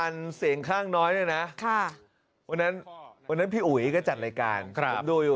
ด้วยความช่วย